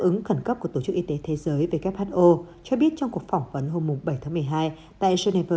ứng khẩn cấp của tổ chức y tế thế giới who cho biết trong cuộc phỏng vấn hôm bảy tháng một mươi hai tại geneva